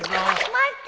待って。